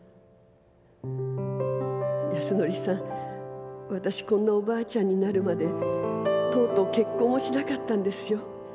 安典さん私こんなお婆ちゃんになるまでとうとう結婚もしなかったんですよ。